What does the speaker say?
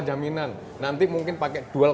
jaminan nanti mungkin pakai